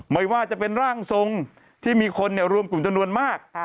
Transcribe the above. ไม่ว่าจะเป็นร่างทรงที่มีคนรวมกลุ่มจำนวนมาก